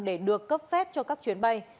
để được cấp phép cho các chuyến bay